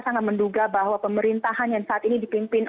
sangat menduga bahwa pemerintahan yang saat ini dipimpin